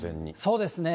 そうですね。